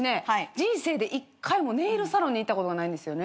人生で一回もネイルサロンに行ったことがないんですよね。